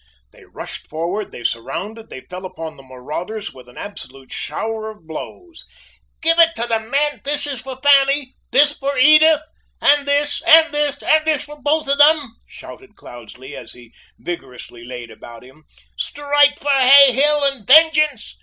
They rushed forward, they surrounded, they fell upon the marauders with an absolute shower of blows. "Give it to them, men! This for Fanny! This for Edith! And this! and this! and this for both of them!" shouted Cloudesley, as he vigorously laid about him. "Strike for Hay Hill and vengeance!